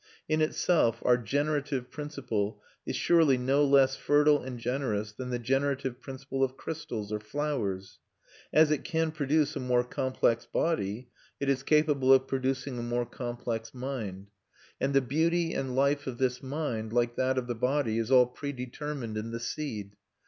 In itself our generative principle is surely no less fertile and generous than the generative principle of crystals or flowers. As it can produce a more complex body, it is capable of producing a more complex mind; and the beauty and life of this mind, like that of the body, is all predetermined in the seed.